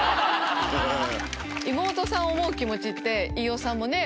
妹さんを思う気持ちって飯尾さんもね